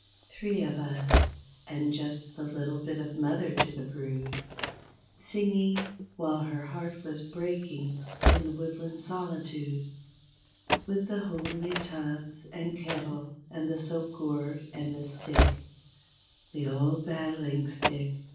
24 Three of us—and just the little bit o' mother to the brood Singing while her heart was breaking in the woodland solitude With the homely tubs and kettle and the soap gourd and the stick, The old battling stick!